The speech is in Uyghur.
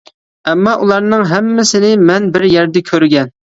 ئەمما ئۇلارنىڭ ھەممىسىنى مەن بىر يەردە كۆرگەن.